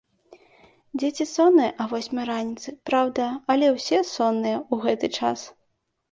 Дзеці сонныя а восьмай раніцы, праўда, але ўсе сонныя ў гэты час.